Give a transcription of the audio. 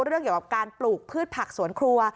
เกี่ยวกับการปลูกพืชผักสวนครัว